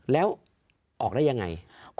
แล้วออกได้ยังไง